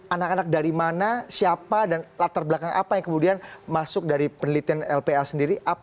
anak anak dari mana siapa dan latar belakang apa yang kemudian masuk dari penelitian lpa sendiri